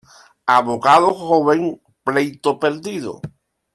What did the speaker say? Abogado joven, pleito perdido.